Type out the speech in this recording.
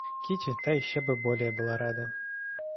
Кити, та еще бы более была рада.